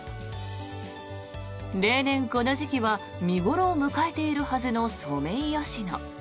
例年、この時期は見頃を迎えているはずのソメイヨシノ。